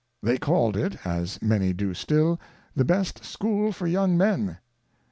They called it, as many do still, the best School for Young Men.